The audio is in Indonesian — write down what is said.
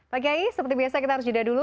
pak kiai seperti biasa kita harus jeda dulu